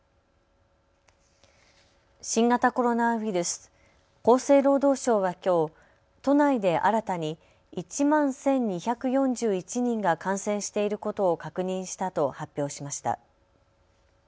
新型コロナウイルス、厚生労働省はきょう都内で新たに１万１２４１人が感染していることを確認したと発表しました。